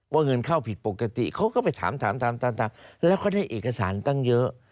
เงินเข้าผิดปกติเขาก็ไปถามตามแล้วเขาได้เอกสารตั้งเยอะ